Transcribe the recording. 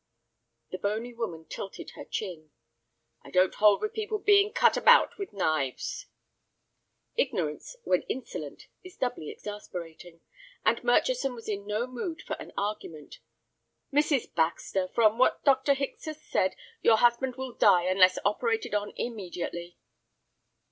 The bony woman tilted her chin. "I don't hold with people being cut about with knives." Ignorance when insolent is doubly exasperating, and Murchison was in no mood for an argument. "Mrs. Baxter, from what Dr. Hicks has said, your husband will die unless operated on immediately."